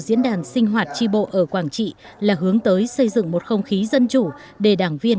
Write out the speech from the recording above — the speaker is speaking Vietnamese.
diễn đàn sinh hoạt tri bộ ở quảng trị là hướng tới xây dựng một không khí dân chủ để đảng viên